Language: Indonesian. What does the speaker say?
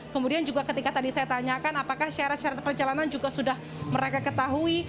kemudian juga ketika tadi saya tanyakan apakah syarat syarat perjalanan juga sudah mereka ketahui